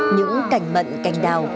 những cành mận cành đào